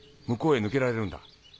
向こうへ抜けられるんだ。